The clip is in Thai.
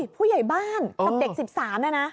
ผู้ใหญ่บ้านแต่เด็ก๑๓นะ